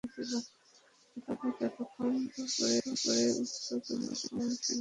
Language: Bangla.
পতাকা যতক্ষণ পতপত করে উড়ত ততক্ষণ সৈন্যরা প্রাণপণ যুদ্ধ চালিয়ে যেত।